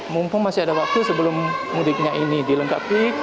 mumpung masih ada waktu sebelum mudiknya ini dilengkapi